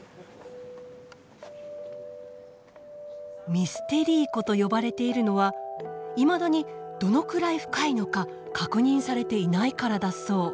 ミステリー湖と呼ばれているのはいまだにどのくらい深いのか確認されていないからだそう。